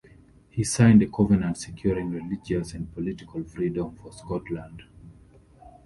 He signed a covenant securing religious and political freedom for Scotland.